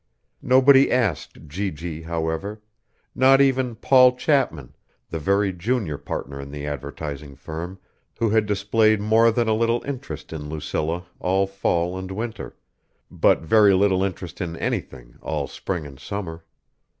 Nobody asked G.G. however not even Paul Chapman, the very junior partner in the advertising firm, who had displayed more than a little interest in Lucilla all fall and winter, but very little interest in anything all spring and summer.